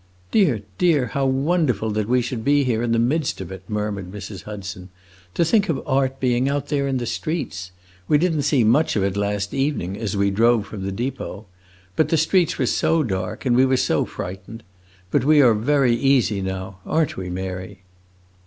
"Dear, dear, how wonderful that we should be here in the midst of it!" murmured Mrs. Hudson. "To think of art being out there in the streets! We did n't see much of it last evening, as we drove from the depot. But the streets were so dark and we were so frightened! But we are very easy now; are n't we, Mary?"